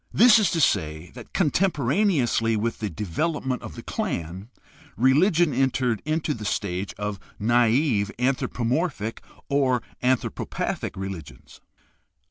This is to say that, con temporaneously with the development of the clan, religion entered into the stage of naive anthropomorphic or anthropo pathic religions.